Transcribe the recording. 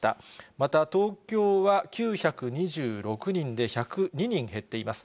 また、東京は９２６人で、１０２人減っています。